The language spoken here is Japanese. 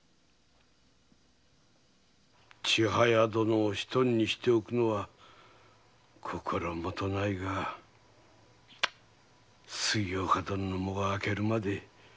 千早殿を一人にしておくのは心もとないが杉岡殿の喪が明けるまで祝言を挙げるわけにはいかぬ。